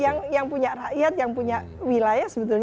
yang punya rakyat yang punya wilayah sebetulnya